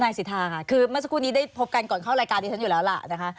สิทธาค่ะคือเมื่อสักครู่นี้ได้พบกันก่อนเข้ารายการที่ฉันอยู่แล้วล่ะนะคะ